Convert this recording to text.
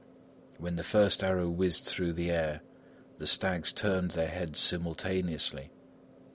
When the first arrow whizzed through the air, the stags turned their heads simultaneously.